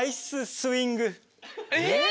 えっ！